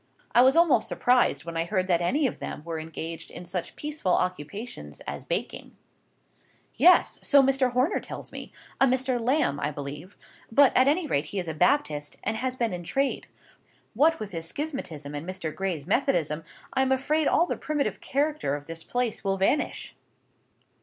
I was almost surprised when I heard that any of them were engaged in such peaceful occupations as baking. "Yes! so Mr. Horner tells me. A Mr. Lambe, I believe. But, at any rate, he is a Baptist, and has been in trade. What with his schismatism and Mr. Gray's methodism, I am afraid all the primitive character of this place will vanish."